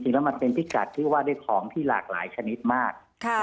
จริงแล้วมันเป็นพิกัดที่ว่าได้ของที่หลากหลายชนิดมาก